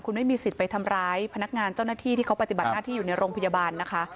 คุณไม่มีสิทธิ์ไปทำร้ายพนักงานเจ้าหน้าที่ที่เขาปฏิบัติหน้าที่อยู่ในโรงพยาบาลนะคะ